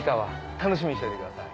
楽しみにしといてください。